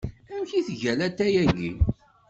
Amek it-ga latay agi?